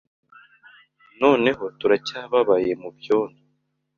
Noneho turacyababaye mubyondo